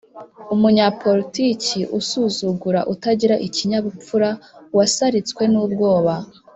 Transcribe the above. Umunyapolitiki usuzugura, utagira ikinyabupfura, wasaritswe n'ubwoba